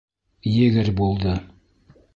Егерь булды.